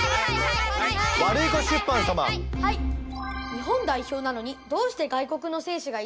日本代表なのにどうして外国の選手がいるんですか？